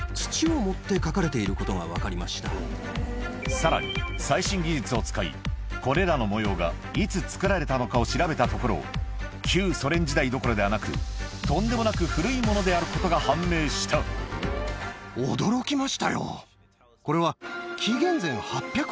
さらに最新技術を使いこれらの模様がいつつくられたのかを調べたところ旧ソ連時代どころではなくとんでもなく古いものであることが判明したこれは。と考えられています。